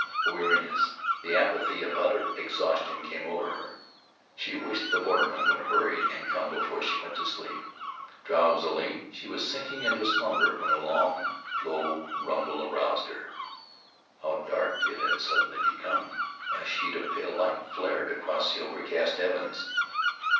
A weariness, the apathy of utter exhaustion, came over her. She wished the bordermen would hurry and come before she went to sleep. Drowsily she was sinking into slumber when a long, low rumble aroused her. How dark it had suddenly become! A sheet of pale light flared across the overcast heavens.